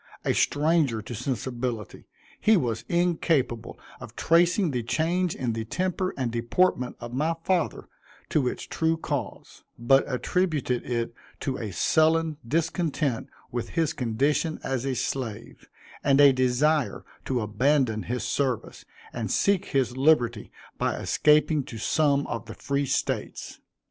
A stranger to sensibility, he was incapable of tracing the change in the temper and deportment of my father, to its true cause; but attributed it to a sullen discontent with his condition as a slave, and a desire to abandon his service, and seek his liberty by escaping to some of the free States.